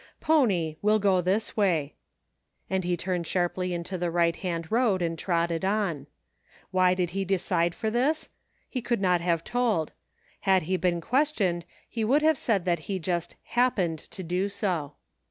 Pony, we'll go this way." And he turned sharply into the right hand road and trotted on. Why did he decide for this } He could not have told ; had he been questioned, he would have said that he just "happened " to do so.